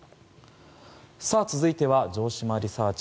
続いては城島リサーチ！